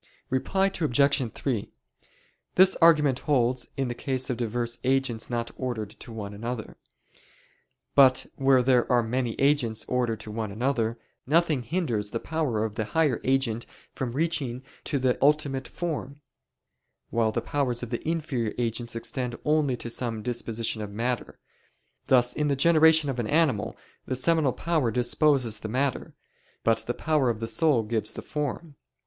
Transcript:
Reply Obj. 3: This argument holds in the case of diverse agents not ordered to one another. But where there are many agents ordered to one another, nothing hinders the power of the higher agent from reaching to the ultimate form; while the powers of the inferior agents extend only to some disposition of matter: thus in the generation of an animal, the seminal power disposes the matter, but the power of the soul gives the form.